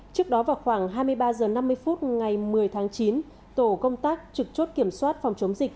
trước đó vào khoảng hai mươi ba h năm mươi phút ngày một mươi tháng chín tổ công tác trực chốt kiểm soát phòng chống dịch